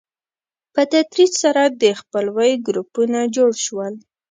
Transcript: په تدریج سره د خپلوۍ ګروپونه جوړ شول.